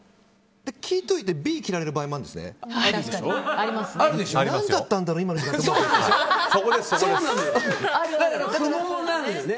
聞いといてＢ着られる場合もあるんですね。